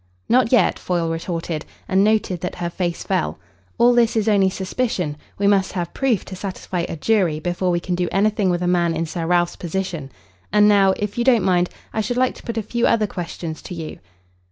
"Not yet," Foyle retorted, and noted that her face fell. "All this is only suspicion. We must have proof to satisfy a jury before we can do anything with a man in Sir Ralph's position. And now, if you don't mind, I should like to put a few other questions to you."